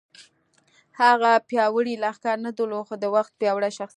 هغه پیاوړی لښکر نه درلود خو د وخت پیاوړی شخصیت و